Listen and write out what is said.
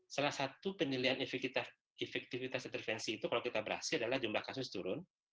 salah satu penilaian efektivitas intervensi itu kalau kita berhasil adalah jumlah kasus turun jumlah yang mati kan turun